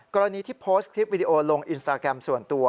กรณีที่โพสต์คลิปวิดีโอลงอินสตาแกรมส่วนตัว